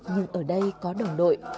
nhưng ở đây có đồng đội